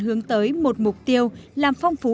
hướng tới một mục tiêu làm phong phú